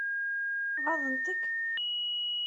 Ɣaḍent-k?